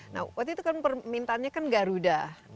nah waktu itu kan permintaannya kan garuda